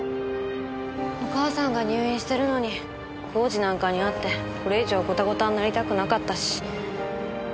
お母さんが入院してるのに耕治なんかに会ってこれ以上ゴタゴタになりたくなかったし。